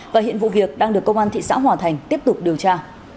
và hiện vụ việc đang được công an thị xã hòa thành tiếp tục điều tra